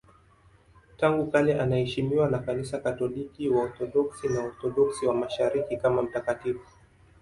Tangu kale anaheshimiwa na Kanisa Katoliki, Waorthodoksi na Waorthodoksi wa Mashariki kama mtakatifu.